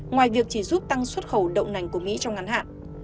ngoài việc chỉ giúp tăng xuất khẩu động nành của mỹ trong ngắn hạn